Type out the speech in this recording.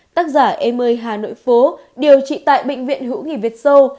tác giả em ơi hà nội phố điều trị tại bệnh viện hữu nghị việt sâu